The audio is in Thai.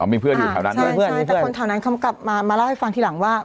มีเพื่อนอยู่แถวนั้นด้วยเพื่อนใช่แต่คนแถวนั้นเขากลับมามาเล่าให้ฟังทีหลังว่า